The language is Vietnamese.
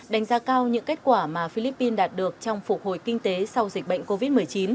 đánh giá cao những kết quả mà philippines đạt được trong phục hồi kinh tế sau dịch bệnh covid một mươi chín